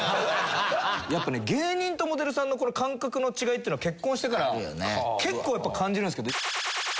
やっぱね芸人とモデルさんのこの感覚の違いっていうのは結婚してから結構やっぱ感じるんですけど。